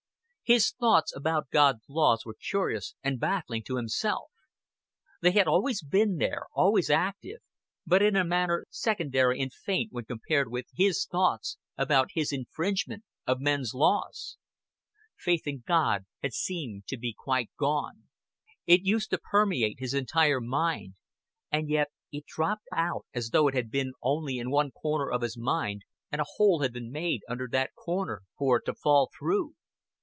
His thoughts about God's laws were curious, and baffling to himself. They had been always there, always active, but in a manner secondary and faint when compared with his thoughts about his infringement of men's laws. Faith in God had seemed to be quite gone. It used to permeate his entire mind; and yet it dropped out as though it had been only in one corner of his mind, and a hole had been made under that corner for it to fall through.